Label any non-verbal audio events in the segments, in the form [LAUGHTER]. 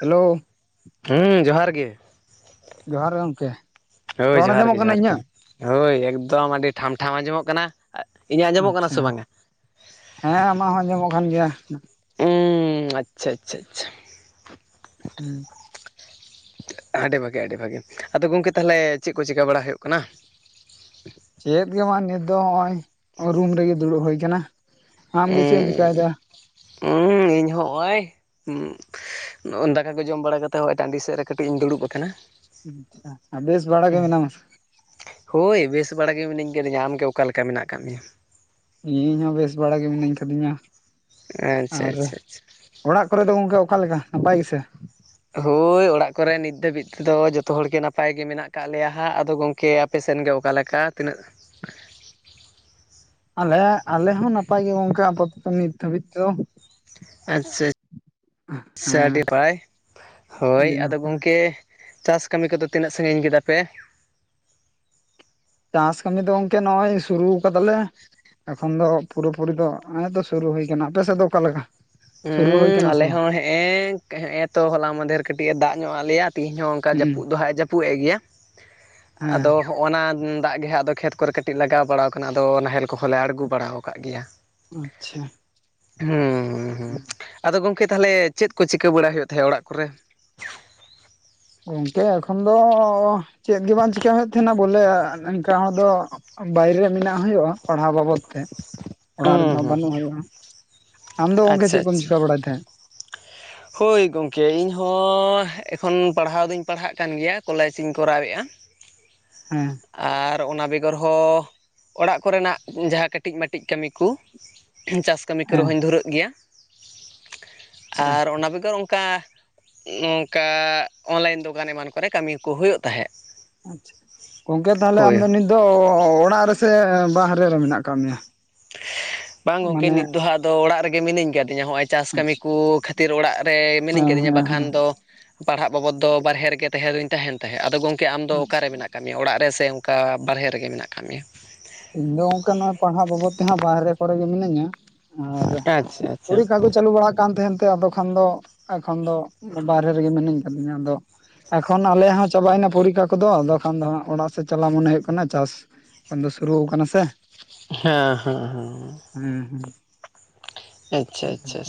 Hello? ᱦᱩᱸ ᱡᱚᱦᱟᱨ ᱜᱮ, ᱡᱚᱦᱟᱨ ᱜᱚᱢᱠᱮ ᱦᱳᱭ ᱡᱚᱦᱟᱨ ᱜᱮ ᱡᱚᱦᱟᱨ ᱜᱮ ᱦᱳᱭ ᱮᱠᱫᱚᱢ ᱟᱹᱰᱤ ᱴᱷᱟᱢ ᱴᱷᱟᱢ ᱟᱸᱡᱚᱢᱚᱜ ᱠᱟᱱᱟ᱾ ᱤᱧᱟᱹᱜ ᱟᱸᱡᱚᱢᱚᱜ ᱠᱟᱱᱟ ᱟᱪᱪᱷᱟ ᱥᱮ ᱵᱟᱝᱟ ᱦᱮᱸ ᱟᱢᱟᱜ ᱦᱚᱸ ᱟᱸᱡᱚᱢᱚᱜ ᱠᱟᱱ ᱜᱮᱭᱟ᱾ ᱩᱸ ᱟᱪᱪᱷᱟ ᱟᱪᱪᱷᱟ ᱟᱪᱪᱷᱟ᱾ ᱦᱩᱸ ᱟᱰᱤ ᱵᱷᱟᱜᱮ ᱟᱰᱤ ᱵᱷᱟᱹᱜᱮ ᱟᱫᱚ ᱜᱚᱢᱠᱮ ᱛᱟᱦᱚᱞᱮ ᱪᱮᱫ ᱠᱚ ᱪᱤᱠᱟᱹ ᱵᱟᱲᱟ ᱦᱩᱭᱩᱜ ᱠᱟᱱᱟ᱾ ᱪᱮᱫ ᱜᱮ ᱵᱟᱝ ᱱᱤᱛ ᱫᱚ ᱱᱚᱜᱼᱚᱭ ᱨᱩᱢ ᱨᱮᱜᱮ ᱫᱩᱲᱩᱵ ᱦᱩᱭ ᱠᱟᱱᱟ ᱟᱢᱜᱮ ᱪᱮᱫ ᱮᱢ ᱩᱸ ᱪᱤᱠᱟᱭᱮᱫᱟ [INAUDIBLE] ᱤᱧ ᱦᱚᱸᱚᱭ ᱫᱟᱠᱟ ᱠᱚ ᱡᱚᱢ ᱵᱟᱲᱟ ᱠᱟᱛᱮᱜ ᱦᱚᱜ ᱚᱭ ᱴᱟᱺᱰᱤ ᱥᱮᱫ ᱨᱮ ᱠᱟᱹᱴᱤᱡ ᱤᱧ ᱫᱩᱲᱩᱵ ᱟᱠᱟᱱᱟ᱾ ᱵᱮᱥ ᱵᱟᱲᱟ ᱜᱮ ᱢᱮᱱᱟᱢᱟ? ᱦᱳᱭ ᱵᱮᱥ ᱵᱟᱲᱟ ᱜᱮ ᱢᱤᱱᱟᱹᱧ ᱠᱟᱹᱫᱤᱧᱟ ᱾ᱟᱢᱜᱮ ᱚᱠᱟᱞᱮ ᱞᱮᱠᱟ ᱢᱮᱱᱟᱜ ᱟᱠᱟᱫ ᱢᱮᱭᱟ? ᱤᱧ ᱦᱚᱸ ᱵᱮᱥ ᱵᱟᱲᱟ ᱜᱮ ᱢᱤᱱᱟᱹᱧ ᱠᱟᱫᱤᱧᱟ᱾ ᱟᱪᱷᱟ ᱟᱨ ᱟᱪᱷᱟ ᱟᱪᱷᱟ ᱚᱲᱟᱜ ᱠᱚᱨᱮ ᱫᱚ ᱜᱚᱝᱠᱮ ᱚᱠᱟ ᱞᱮᱠᱟ ᱱᱟᱯᱟᱭ ᱜᱮᱥᱮ? ᱦᱳᱭ ᱚᱲᱟᱜ ᱠᱚᱨᱮ ᱱᱤᱛ ᱫᱷᱟᱹᱵᱤᱡ ᱛᱮᱫᱚ ᱡᱚᱛᱚ ᱦᱚᱲ ᱜᱮ ᱱᱟᱯᱟᱭ ᱜᱮ ᱢᱮᱱᱟᱜ ᱟᱠᱟᱫ ᱞᱮᱭᱟ ᱦᱟᱸᱜ ᱟᱫᱚ ᱜᱚᱝ ᱠᱮ ᱟᱯᱮ ᱥᱮᱱ ᱜᱮ ᱚᱠᱟ ᱞᱮᱠᱟ ᱛᱤᱱᱟᱹᱜ ᱟᱞᱮ ᱟᱞᱮ ᱦᱚᱸ ᱱᱟᱯᱟᱭ ᱜᱮ ᱜᱚᱝᱠᱮ ᱟᱯᱟᱛᱚᱛᱚ ᱱᱤᱛ ᱫᱷᱟᱹᱵᱤᱡ ᱛᱮᱫᱚ ᱟᱪᱷᱟ ᱦᱮᱸ [UNINTELLIGIBLE] ᱦᱳᱭ ᱟᱹᱰᱤ ᱟᱫᱚ ᱱᱟᱯᱟᱭ ᱜᱚᱝᱠᱮ ᱪᱟᱥ ᱠᱟᱹᱢᱤ ᱠᱚᱫᱚ ᱛᱤᱱᱟᱹᱜ ᱥᱟᱺᱜᱤᱧ ᱠᱮᱫᱟ ᱯᱮ? ᱪᱟᱥ ᱠᱟᱹᱢᱤ ᱫᱚ ᱜᱚᱝᱠᱮ ᱱᱚᱜᱼᱚᱭ ᱥᱩᱨᱩ ᱠᱟᱫᱟ ᱞᱮ ᱮᱠᱷᱚᱱ ᱫᱚ ᱯᱩᱨᱟᱹᱯᱩᱨᱤ ᱫᱚ ᱱᱚᱜ-ᱚᱭ ᱥᱩᱨᱩ ᱦᱩᱭ ᱠᱟᱱᱟ ᱟᱯᱮ ᱥᱮᱫ ᱫᱚ ᱚᱠᱟ ᱞᱮᱠᱟ? ᱥᱩᱨᱩ ᱦᱩᱭ ᱩᱸ ᱠᱟᱱᱟ ᱥᱮ ᱟᱞᱮ ᱵᱟᱝ ᱦᱚᱸ ᱦᱮᱸᱜ-ᱮ ᱦᱮᱸᱜ-ᱮ ᱛᱚ ᱦᱚᱞᱟ ᱢᱟᱫᱷᱮᱨ ᱠᱟᱹᱴᱤᱡ ᱮ ᱫᱟᱜ ᱧᱚᱜ ᱟᱜ ᱞᱮᱭᱟ ᱛᱤᱦᱤᱧ ᱦᱚᱸ ᱠᱟ ᱦᱩᱸ ᱡᱟᱹᱯᱩᱫ ᱫᱚ ᱦᱟᱸᱜ ᱮ ᱡᱟᱹᱯᱩᱫ ᱮᱫ ᱜᱮᱭᱟ ᱦᱮᱸ ᱟᱫᱚ ᱦᱚᱜᱚᱱᱟ ᱫᱟᱜ ᱜᱮ ᱦᱟᱸᱜ ᱟᱫᱚ ᱠᱷᱮᱛ ᱠᱚᱨᱮ ᱠᱟᱹᱴᱤᱡ ᱞᱟᱜᱟᱣ ᱵᱟᱲᱟᱣ ᱠᱟᱱᱟ ᱟᱫᱚ ᱱᱟᱦᱮᱞ ᱠᱚᱦᱚᱸ ᱞᱮ ᱟᱬᱜᱚ ᱵᱟᱲᱟᱣ ᱠᱟᱜ ᱜᱮᱭᱟ ᱟᱪᱪᱷᱟ ᱦᱩᱸ ᱦᱩᱸ ᱟᱫᱚ ᱜᱚᱝᱠᱮ ᱛᱟᱦᱞᱮ ᱪᱮᱫ ᱠᱚ ᱪᱤᱠᱟᱹ ᱵᱟᱲᱟ ᱦᱩᱭᱩᱜ ᱛᱟᱦᱮᱸᱫ ᱚᱲᱟᱜ ᱠᱚᱨᱮ? ᱜᱚᱝᱠᱮ ᱮᱠᱷᱚᱱ ᱫᱚ ᱪᱮᱫ ᱜᱮ ᱵᱟᱝ ᱪᱤᱠᱟ ᱦᱩᱭᱩᱜ ᱮᱫ ᱛᱟᱦᱮᱱᱟ ᱵᱚᱞᱮ ᱤᱱᱠᱟ ᱦᱚᱲ ᱫᱚ ᱵᱟᱭᱨᱮ ᱢᱮᱱᱟᱜ ᱦᱩᱭᱩᱜᱼᱟ ᱯᱟᱲᱦᱟᱣ ᱵᱟᱵᱚᱫ ᱛᱮ ᱚᱲᱟᱜ ᱦᱩᱸ ᱨᱮᱫᱚ ᱦᱩᱸ ᱵᱟᱹᱱᱩᱜ ᱦᱩᱭᱩᱜᱼᱟ᱾ ᱟᱢ ᱫᱚ ᱜᱚᱝᱠᱮ ᱟᱪᱪᱷᱟ ᱪᱮᱫ ᱠᱚᱢ ᱟᱪᱪᱷᱟ ᱪᱤᱠᱟ ᱵᱟᱲᱟᱭ ᱛᱟᱦᱮᱸᱫ? ᱦᱳᱭ ᱜᱚᱝᱠᱮ ᱤᱧ ᱦᱚᱸ ᱮᱠᱷᱚᱱ ᱯᱟᱲᱦᱟᱣ ᱫᱩᱧ ᱯᱟᱲᱦᱟᱜ ᱠᱟᱱ ᱜᱮᱭᱟ ᱠᱚᱞᱡᱽ ᱤᱧ ᱠᱚᱨᱟᱣᱮᱫᱼᱟ ᱦᱮᱸ ᱟᱨ ᱚᱱᱟ ᱵᱮᱜᱚᱨ ᱦᱚᱸ ᱚᱲᱟᱜ ᱠᱚᱨᱮᱱᱟᱜ ᱡᱟᱦᱟᱸ ᱠᱟᱹᱴᱤᱡᱼᱢᱟᱹᱴᱤᱡ ᱠᱟᱹᱢᱤ ᱠᱩ ᱪᱟᱥ ᱠᱟᱹᱢᱤ ᱠᱚᱨᱮ ᱦᱮᱸ ᱦᱚᱧ ᱫᱷᱩᱨᱟᱹᱜ ᱜᱮᱭᱟ ᱟᱪᱪᱷᱟ ᱟᱨ ᱚᱱᱟ ᱵᱮᱜᱚᱨ ᱚᱱᱠᱟ ᱱᱚᱝᱠᱟ ᱚᱱᱞᱟᱭᱤᱱ ᱫᱚᱠᱟᱱ ᱮᱢᱟᱱ ᱠᱚᱨᱮ ᱠᱟᱹᱢᱤ ᱠᱚ ᱦᱩᱭᱩᱜ ᱛᱟᱦᱮᱸᱫ ᱟᱪᱷᱟ ᱜᱚᱝᱠᱮ ᱛᱟᱦᱚᱞᱮ ᱟᱢ ᱦᱳᱭ ᱫᱚ ᱱᱤᱛ ᱫᱚ ᱚᱲᱟᱜ ᱨᱮᱥᱮ ᱵᱟᱦᱨᱮ ᱨᱮ ᱢᱮᱱᱟᱜ ᱟᱠᱟᱫ ᱢᱮᱭᱟ ᱵᱟᱝ ᱜᱚᱝᱠᱮ ᱢᱟᱱᱮ ᱱᱤᱛ ᱫᱚ ᱦᱟᱸᱜ ᱟᱫᱚ ᱚᱲᱟᱜ ᱨᱮᱜᱮ ᱢᱤᱱᱟᱹᱧ ᱠᱟᱹᱫᱤᱧᱟ ᱱᱚᱜ-ᱚᱭ ᱪᱟᱥ ᱠᱟᱹᱢᱤ ᱟᱪᱪᱷᱟ ᱠᱚ ᱠᱷᱟᱹᱛᱤᱨ ᱚᱲᱟᱜ ᱨᱮ ᱢᱤᱱᱟᱹᱧ ᱦᱮᱸ ᱠᱟᱫᱤᱧᱟ ᱦᱮᱸ ᱵᱟᱠᱷᱟᱱ ᱦᱮᱸ ᱫᱚ ᱯᱟᱲᱦᱟᱜ ᱵᱟᱵᱚᱫ ᱫᱚ ᱵᱟᱨᱦᱮ ᱨᱮ ᱜᱮ ᱛᱟᱦᱮᱸ ᱫᱚᱧ ᱛᱟᱦᱮᱱ ᱛᱟᱦᱮᱸᱫ ᱟᱫᱚ ᱜᱚᱝᱠᱮ ᱟᱢᱫᱚ ᱚᱠᱟ ᱟᱪᱪᱷᱟ ᱨᱮ ᱢᱮᱱᱟᱜ ᱟᱠᱟᱫ ᱢᱮᱭᱟ ᱚᱲᱟᱜ ᱨᱮ ᱥᱮ ᱚᱱᱠᱟ ᱵᱟᱨᱦᱮ ᱨᱮᱜᱮ ᱢᱮᱱᱟᱜ ᱟᱠᱟᱫ ᱢᱮᱭᱟ? ᱤᱧ ᱫᱚ ᱚᱱᱠᱟ ᱱᱚᱜ ᱯᱟᱲᱦᱟᱜ ᱵᱟᱵᱚᱫ ᱛᱮᱦᱟᱸᱜ ᱵᱟᱦᱨᱮ ᱠᱚᱨᱮ ᱜᱮ ᱢᱤᱱᱟᱹᱧᱟ ᱟᱨ ᱟᱪᱪᱷᱟ ᱟᱪᱪᱷᱟ ᱯᱩᱲᱤᱠᱠᱷᱟ ᱠᱚ ᱪᱟᱹᱞᱩ ᱵᱟᱲᱟᱜ ᱠᱟᱱ ᱛᱟᱦᱮᱱ ᱛᱮ ᱟᱫᱚ ᱠᱷᱟᱱ ᱫᱚ ᱮᱠᱷᱚᱱ ᱫᱚ ᱵᱟᱦᱨᱮ ᱨᱮᱜᱮ ᱢᱤᱱᱟᱹᱧ ᱠᱟᱫᱤᱧᱟ ᱟᱫᱚ ᱮᱠᱷᱚᱱ ᱟᱞᱮᱭᱟᱜ ᱦᱚᱸ ᱪᱟᱵᱟᱭᱱᱟ ᱯᱚᱨᱤᱠᱷᱟ ᱠᱚᱫᱚ ᱟᱫᱚ ᱠᱷᱟᱱ ᱫᱚ ᱦᱟᱸᱜ ᱚᱲᱟᱜ ᱥᱮᱫ ᱪᱟᱞᱟᱣ ᱢᱚᱱᱮ ᱦᱩᱭᱩᱜ ᱠᱟᱱᱟ ᱪᱟᱥ ᱠᱷᱚᱱ ᱫᱚ ᱥᱩᱨᱩ ᱠᱟᱱᱟ ᱥᱮ ᱦᱮᱸ ᱦᱮᱸ ᱦᱮᱸ ᱦᱩᱸ ᱦᱩᱸ ᱟᱪᱷᱟ ᱟᱪᱷᱟ